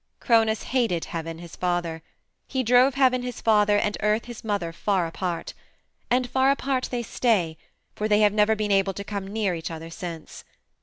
Cronos hated Heaven, his father. He drove Heaven, his father, and Earth, his mother, far apart. And far apart they stay, for they have never been able to come near each other since.